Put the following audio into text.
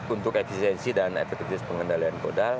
untuk efisiensi dan efektivitas pengendalian modal